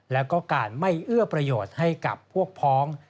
แล้วก็การไม่เอื้อประโยชน์ให้กับพวกพ้อง